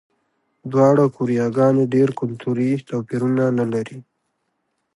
دواړه کوریاګانې ډېر کلتوري توپیرونه نه لري.